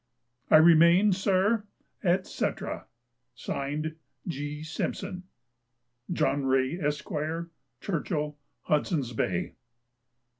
"I remain, "Sir, &c. (Signed) "G. SIMPSON." "John Rae, Esq. "Churchill, "Hudson's Bay."